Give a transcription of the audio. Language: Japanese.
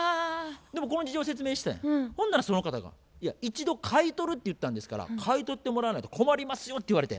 でもこの事情を説明してほんならその方が「一度買い取るって言ったんですから買い取ってもらわないと困りますよ」って言われて。